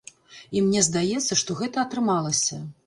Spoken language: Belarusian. І мне здаецца, што гэта атрымалася.